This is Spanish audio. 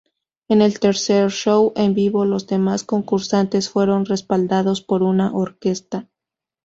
En el tercer show en vivo los demás concursantes fueron respaldados por una orquesta.